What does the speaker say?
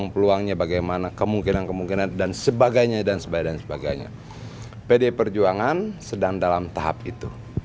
pdip perjuangan sedang dalam tahap itu